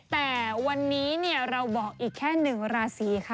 แต่วันนี้เราบอกอีกแค่๑ราศีค่ะ